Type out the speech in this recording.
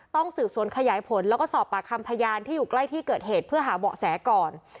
ต้องสืบสวนขยายผลแล้วก็สอบปากคำพยานที่อยู่ใกล้ที่เกิดเหตุเพื่อหาเบาะแสก่อน